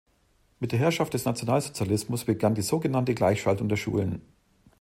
Mit der Herrschaft des Nationalsozialismus begann die so genannte Gleichschaltung der Schulen.